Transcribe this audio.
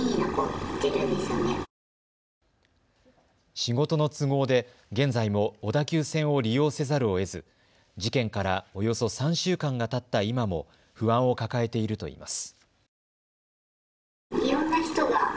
仕事の都合で現在も小田急線を利用せざるをえず事件からおよそ３週間がたった今も不安を抱えているといいます。